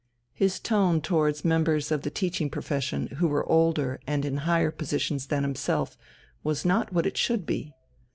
His tone towards members of the teaching profession who were older and in higher positions than himself was not what it should be.